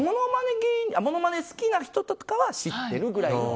ものまね好きな人とかは知ってるぐらいの。